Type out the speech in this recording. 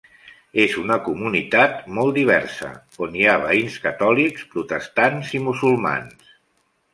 És una comunitat molt diversa, on hi ha veïns catòlics, protestants i musulmans.